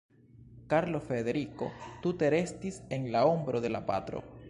Karlo Frederiko tute restis en la ombro de la patro.